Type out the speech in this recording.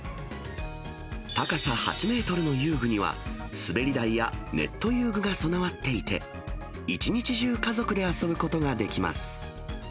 高さ８メートルの遊具には、滑り台やネット遊具が備わっていて、一日中家族で遊ぶことができます。